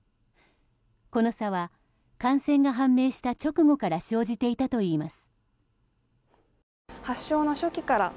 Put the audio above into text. この差は、感染が判明した直後から生じていたといいます。